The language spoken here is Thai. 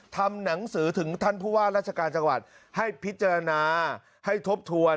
ทำหนังสือถึงท่านผู้ว่าราชการจังหวัดให้พิจารณาให้ทบทวน